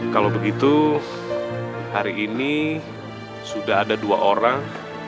kalau begitu hari ini sudah ada dua orang